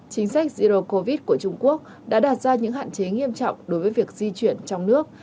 chính sách zero covid của trung quốc đã đạt ra những hạn chế nghiêm trọng đối với việc di chuyển trong nước